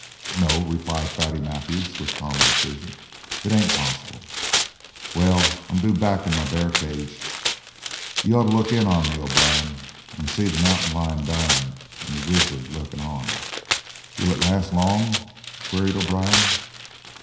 "No," replied Fatty Matthews with calm decision. "It ain't possible. Well, I'm due back in my bear cage. Y'ought to look in on me, O'Brien, and see the mountain lion dyin' and the grizzly lookin' on." "Will it last long?" queried O'Brien.